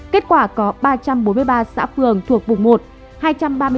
kết quả có ba trăm bốn mươi ba xã phường thuộc vùng một